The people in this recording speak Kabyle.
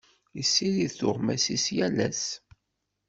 Yessirid tuɣmas-is yal ass.